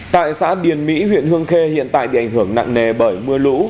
tại xã điền mỹ huyện hương khê hiện tại bị ảnh hưởng nặng nề bởi mưa lũ